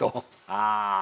ああ。